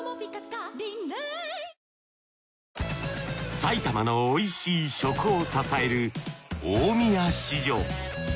埼玉の美味しい食を支える大宮市場。